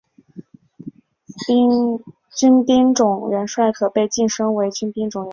军兵种元帅可被晋升为军兵种主帅。